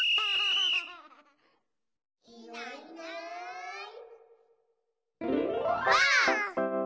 いないいないばあっ！